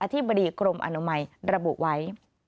ธิบดีกรมอนามัยระบุไว้